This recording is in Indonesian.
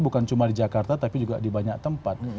bukan cuma di jakarta tapi juga di banyak tempat